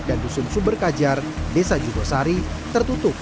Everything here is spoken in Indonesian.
dan dusun sumber kajar desa jugosari tertutup